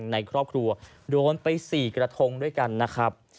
ในครอบครัวโดนไป๔กระทงด้วยกันนะครับ